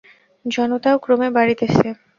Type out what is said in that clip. জনতাও ক্রমে বাড়িতেছে।